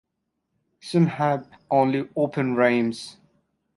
Some have only open rhymes.